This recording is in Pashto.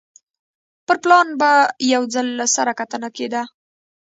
پر پلان به یو ځل له سره کتنه کېده